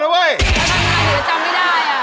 แล้วทำอะไรเราจำไม่ได้